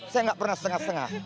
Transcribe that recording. saya nggak pernah setengah setengah